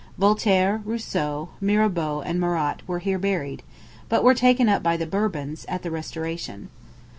Voltaire, Rousseau, Mirabeau, and Marat were here buried, but were taken up by the Bourbons, at the restoration.